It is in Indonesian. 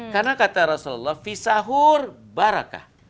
karena kata rasulullah fis sahur barakah